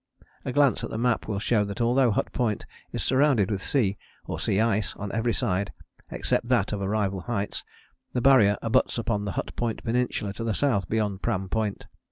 A glance at the map will show that although Hut Point is surrounded with sea, or sea ice, on every side except that of Arrival Heights, the Barrier abuts upon the Hut Point Peninsula to the south beyond Pram Point.